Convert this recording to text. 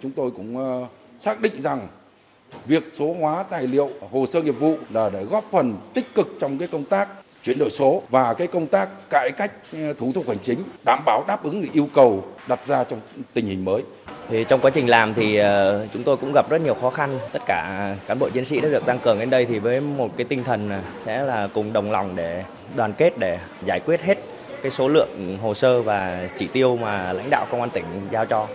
các cán bộ chiến sĩ đã được tăng cường đến đây thì với một tinh thần sẽ là cùng đồng lòng để đoàn kết để giải quyết hết số lượng hồ sơ và chỉ tiêu mà lãnh đạo công an tỉnh giao cho